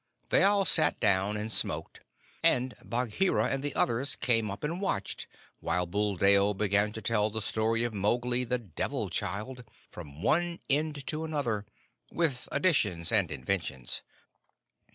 They all sat down and smoked, and Bagheera and the others came up and watched while Buldeo began to tell the story of Mowgli, the Devil child, from one end to another, with additions and inventions.